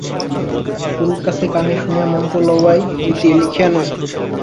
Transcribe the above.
গুরুর কাছে কানে শুনিয়া মন্ত্র লওয়াই রীতি, লিখিয়া নয়।